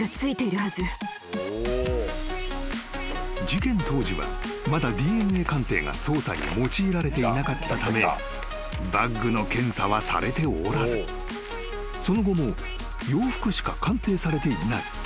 ［事件当時はまだＤＮＡ鑑定が捜査に用いられてなかったためバッグの検査はされておらずその後も洋服しか鑑定されていない］